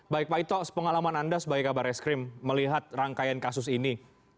baik pak ito pengalaman anda sebagai kabar eskrim melihat rangkaian kasus ini